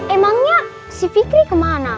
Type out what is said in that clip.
emangnya si fikri kemana